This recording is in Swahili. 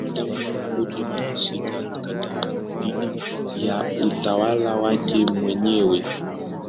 tangu aokoke maasi kadhaa dhidi ya utawala wake mwenyewe